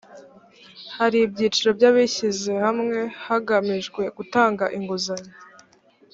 hari ibyiciro by abishyizehamwe hagamijwe gutanga inguzanyo